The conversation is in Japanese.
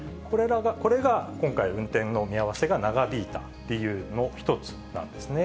これが今回、運転の見合わせが長引いた理由の一つなんですね。